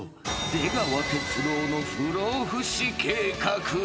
出川哲朗の不老不死計画を］